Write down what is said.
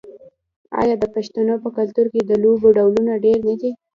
آیا د پښتنو په کلتور کې د لوبو ډولونه ډیر نه دي؟